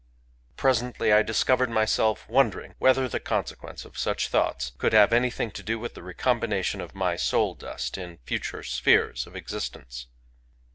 Presently I discovered myself wondering whether the consequence of such thoughts could have any thing to do with the recombination of my soul dust in future spheres of existence.